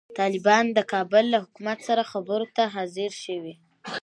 طالبان د کابل له حکومت سره خبرو ته حاضر شوي.